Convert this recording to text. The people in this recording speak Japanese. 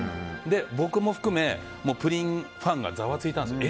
僕も含めプリンファンがざわついたんです。